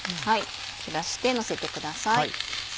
散らしてのせてください。